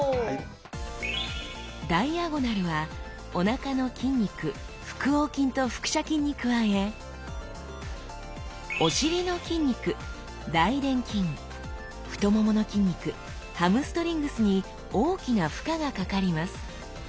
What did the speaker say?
ダイアゴナルはおなかの筋肉腹横筋と腹斜筋に加えお尻の筋肉大臀筋太ももの筋肉ハムストリングスに大きな負荷がかかります。